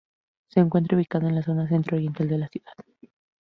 Se encuentra ubicada en la zona Centro Oriental de la ciudad.